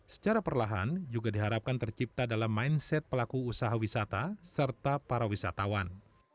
secara perlahan juga diharapkan tercipta dalam mindset pelaku usaha wisata serta para wisatawan